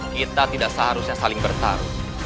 kita tidak seharusnya saling bertarung